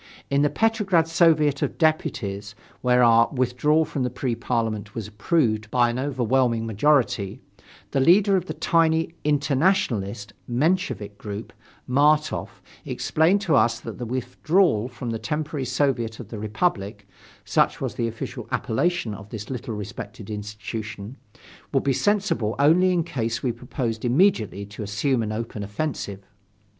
In the Petrograd Soviet of Deputies, where our withdrawal from the Pre Parliament was approved by an overwhelming majority, the leader of the tiny "internationalist" Menshevik group, Martof, explained to us that the withdrawal from the temporary Soviet of the Republic (such was the official appellation of this little respected institution) would be sensible only in case we proposed immediately to assume an open offensive.